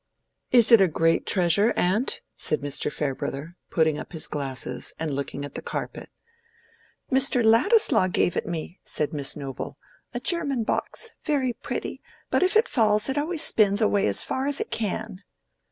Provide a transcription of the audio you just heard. "Is it a great treasure, aunt?" said Mr. Farebrother, putting up his glasses and looking at the carpet. "Mr. Ladislaw gave it me," said Miss Noble. "A German box—very pretty, but if it falls it always spins away as far as it can."